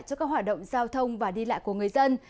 cho các hoạt động giao thông và đi lại của người dân